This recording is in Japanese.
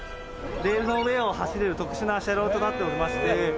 レールの上を走れる特殊な車両となっておりまして。